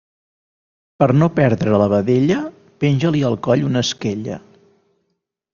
Per no perdre la vedella, penja-li al coll una esquella.